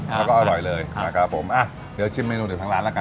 แล้วก็อร่อยเลยอ้าครับผมอะเดี๋ยวชื่มเมนูเดี๋ยวทั้งร้านแล้วกัน